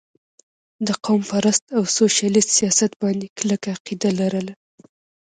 د قوم پرست او سوشلسټ سياست باندې کلکه عقيده لرله